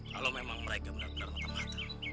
kalau memang mereka benar benar mata mata